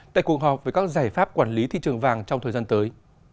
tại cuộc họp về các giải pháp quản lý thị trường vàng trong thời gian tới